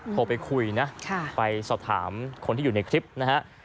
โทรไปคุยนะไปสอบถามคนที่อยู่ในคลิปนะฮะ